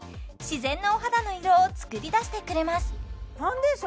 自然なお肌の色を作り出してくれます